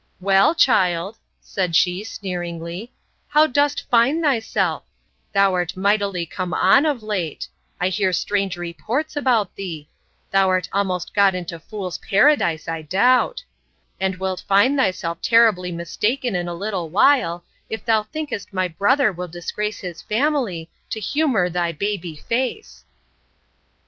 Well, child, said she, sneeringly, how dost find thyself? Thou'rt mightily come on, of late!—I hear strange reports about thee!—Thou'rt almost got into fool's paradise, I doubt!—And wilt find thyself terribly mistaken in a little while, if thou thinkest my brother will disgrace his family, to humour thy baby face!